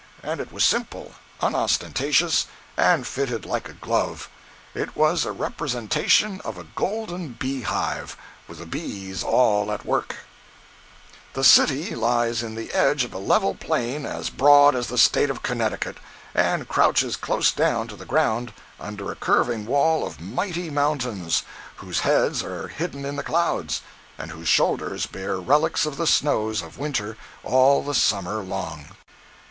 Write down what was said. And it was simple, unostentatious, and fitted like a glove. It was a representation of a GOLDEN BEEHIVE, with the bees all at work! 110b.jpg (23K) The city lies in the edge of a level plain as broad as the State of Connecticut, and crouches close down to the ground under a curving wall of mighty mountains whose heads are hidden in the clouds, and whose shoulders bear relics of the snows of winter all the summer long.